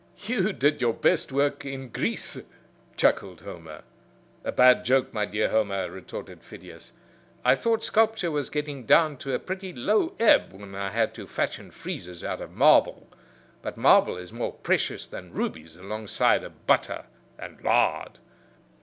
"You did your best work in Greece," chuckled Homer. "A bad joke, my dear Homer," retorted Phidias. "I thought sculpture was getting down to a pretty low ebb when I had to fashion friezes out of marble; but marble is more precious than rubies alongside of butter and lard."